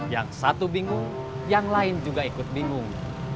yang satu bingung yang lain juga ikut bingung